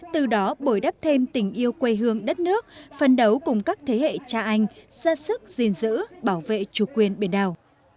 từ đó bồi đắp thêm tình yêu quê hương đất nước phân đấu cùng các thế hệ cha anh ra sức gìn giữ bảo vệ chủ quyền biển đảo